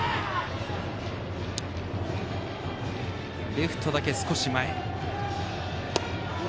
レフトだけ少し前。